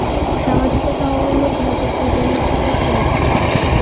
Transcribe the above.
সামাজিকতা ও লোকমতের পূজাই হচ্ছে পৌত্তলিকতা।